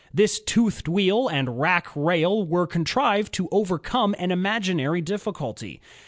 This toothed wheel and rack rail were contrived to overcome an imaginary difficulty.